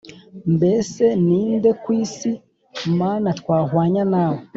mbese ni inde ku isi mana twahwanya nawe